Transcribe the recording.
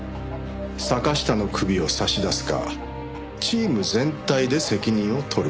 坂下の首を差し出すかチーム全体で責任を取るか。